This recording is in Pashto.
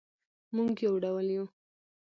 مونږ یو ډول یو